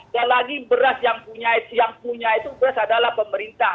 terlalu beras yang punya itu beras adalah pemerintah